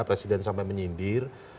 presiden sampai menyindir